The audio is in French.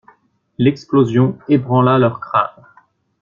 L'explosion ébranla leurs crânes.